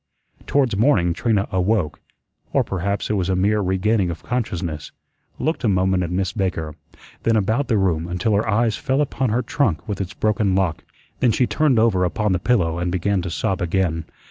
Towards morning Trina awoke or perhaps it was a mere regaining of consciousness looked a moment at Miss Baker, then about the room until her eyes fell upon her trunk with its broken lock. Then she turned over upon the pillow and began to sob again.